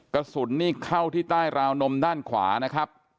กระสุนนี่เข้าที่ใต้ราวนมด้านขวานะครับ